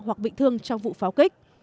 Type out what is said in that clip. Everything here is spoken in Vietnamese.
hoặc bị thương trong vụ pháo kích